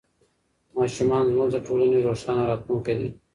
ماشومان زموږ د ټولنې روښانه راتلونکی دی.